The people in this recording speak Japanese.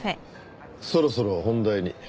そろそろ本題に。